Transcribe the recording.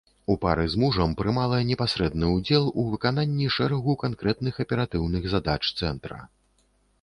У пары з мужам прымала непасрэдны ўдзел у выкананні шэрагу канкрэтных аператыўных задач цэнтра.